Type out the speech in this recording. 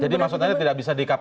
jadi maksud anda tidak bisa di kpk